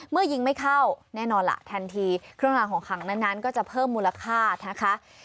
เมื่อยิงไม่เข้าแน่นอนล่ะทันทีเครื่องรางของขังนั้นก็จะเพิ่มมูลค่านะคะ